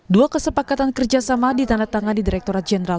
dua kesepakatan kerjasama ditandatangan di direkturat jenderal